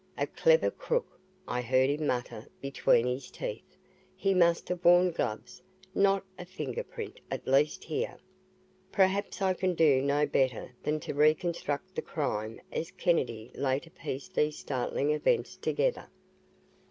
"A clever crook," I heard him mutter between his teeth. "He must have worn gloves. Not a finger print at least here." ........ Perhaps I can do no better than to reconstruct the crime as Kennedy later pieced these startling events together.